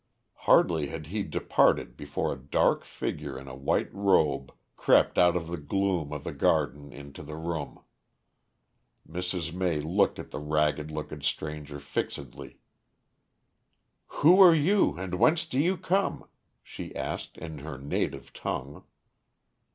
Hardly had he departed before a dark figure in a white robe crept out of the gloom of the garden into the room. Mrs. May looked at the ragged looking stranger fixedly. "Who are you, and whence do you come?" she asked in her native tongue.